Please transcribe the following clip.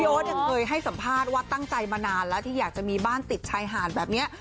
โอ๊ตยังเคยให้สัมภาษณ์ว่าตั้งใจมานานแล้วที่อยากจะมีบ้านติดชายหาดแบบนี้